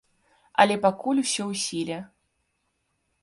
Але пакуль усё ў сіле.